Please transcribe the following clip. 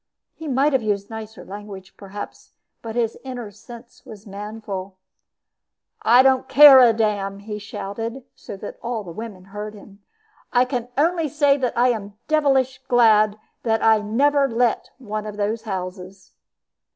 He might have used nicer language, perhaps, but his inner sense was manful. "I don't care a damn," he shouted, so that all the women heard him. "I can only say I am devilish glad that I never let one of those houses."